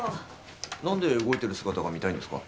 なんで動いてる姿が見たいんですか？